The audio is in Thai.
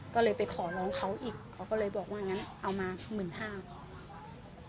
ก็เลยไปขอร้องเขาอีกเขาก็เลยบอกว่างั้นเอามา๑๕๐๐บาท